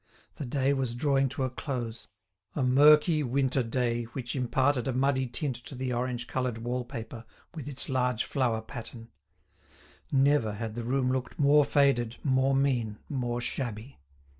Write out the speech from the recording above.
The day was drawing to a close, a murky winter day which imparted a muddy tint to the orange coloured wall paper with its large flower pattern; never had the room looked more faded, more mean, more shabby.